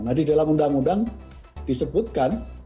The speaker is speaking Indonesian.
nah di dalam undang undang disebutkan